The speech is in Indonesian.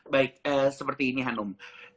baik seperti ini hanum